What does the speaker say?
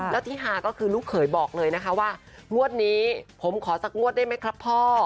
แล้วที่ฮาก็คือลูกเขยบอกเลยนะคะว่างวดนี้ผมขอสักงวดได้ไหมครับพ่อ